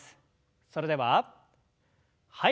それでははい。